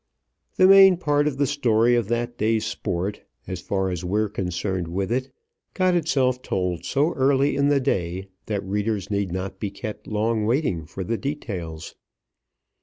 The main part of the story of that day's sport, as far as we're concerned with it, got itself told so early in the day that readers need not be kept long waiting for the details.